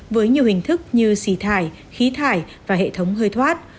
với nhiều hình thức như xì thải khí thải và hệ thống hơi thoát